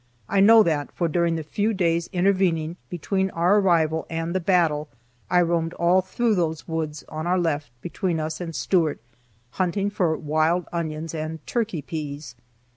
I know that, for during the few days intervening between our arrival and the battle I roamed all through those woods on our left, between us and Stuart, hunting for wild onions and "turkey peas."